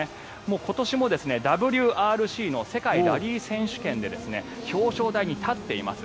今年もＷＲＣ・世界ラリー選手権で表彰台に立っています。